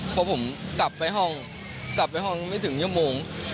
เพราะผมกลับไปห้องไม่ถึงเยาะโมง